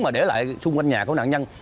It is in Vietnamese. mà để lại xung quanh nhà của nạn nhân